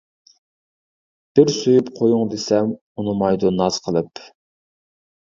بىر سۆيۈپ قويۇڭ دېسەم، ئۇنىمايدۇ ناز قىلىپ.